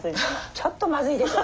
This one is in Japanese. ちょっとまずいでしょ。